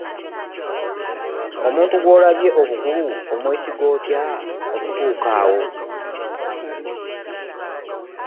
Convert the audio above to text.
Omuntu gw'olabye obukulu omwesiga otya okutuuka awo?